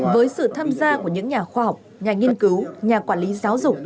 với sự tham gia của những nhà khoa học nhà nghiên cứu nhà quản lý giáo dục